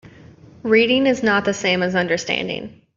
Reading is not the same as understanding.